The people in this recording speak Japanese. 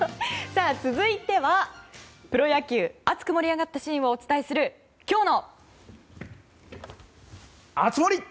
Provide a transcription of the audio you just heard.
続いてはプロ野球熱く盛り上がったシーンをお伝えする熱盛！